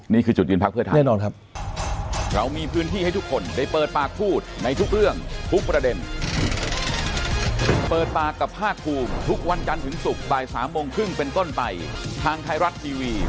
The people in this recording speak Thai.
นี่คือจุดยืนพักเพื่อไทยแน่นอนครับ